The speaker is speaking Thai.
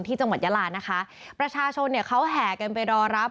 ที่จังหวัดญาลานะคะประชาชนเขาแหกันไปรอรับ